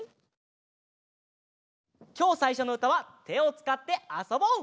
きょうさいしょのうたはてをつかってあそぼう！